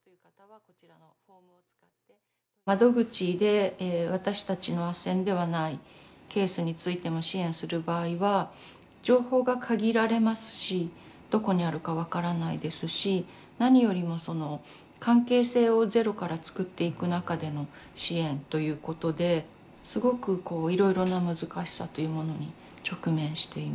窓口で私たちのあっせんではないケースについても支援する場合は情報が限られますしどこにあるか分からないですし何よりもその関係性をゼロからつくっていく中での支援ということですごくこういろいろな難しさというものに直面しています。